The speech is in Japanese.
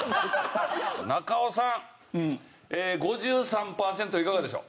中尾さん５３パーセントいかがでしょう？